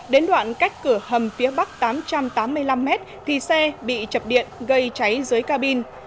đến đoạn cách cửa hầm phía bắc tám trăm tám mươi năm mét thì xe bị chập điện gây cháy dưới cabin